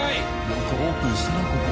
よくオープンしたなここ。